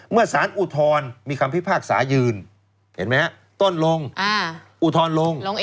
เมื่อสารอุทธรณ์มีคำพิพากษายืนเห็นไหมฮะต้นลงอุทธรณ์ลง